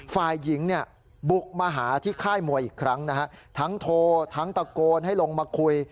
ฝ่ายหญิงเนี่ยบุกมาหาที่ค่ายมวยอีกครั้งนะฮะทั้งโทรทั้งตะโกนให้ลงมาคุย